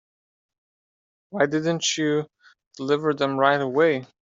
Why didn't you deliver them right away?